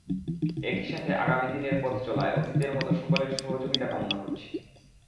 একই সাথে আগামী দিনের পথচলায় অতীতের মতো সকলের সহযোগিতা কামনা করছি।